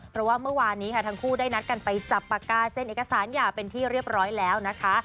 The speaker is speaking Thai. เพราะว่าเมื่อวานนี้ค่ะทั้งคู่ได้นัดกันไปจับปากกาเซ็นเอกสารหย่าเป็นที่เรียบร้อยแล้วนะคะ